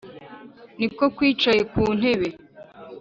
ni ko kwicaye ku ntebe